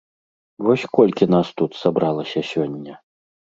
Вось колькі нас тут сабралася сёння?